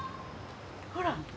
ほら。